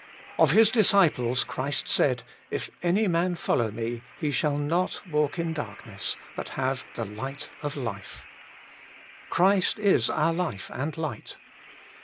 Of His disciples Christ said :' If any man follow Me, he shall not walk in darkness, but have the light of life' Christ is our life and light.